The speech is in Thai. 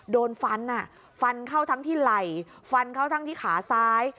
โดนฟันฟันเข้าทั้งที่ไหล่ฟันเข้าทั้งที่ขาซ้าย